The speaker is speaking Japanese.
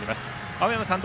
青山さん